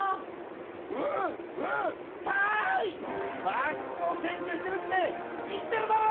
バスをけんきゅうしてるっていってるだろ！